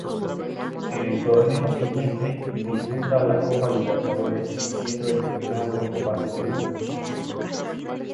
En el torneo siguiente, disputa la Copa Libertadores, siendo eliminado en fase de grupos.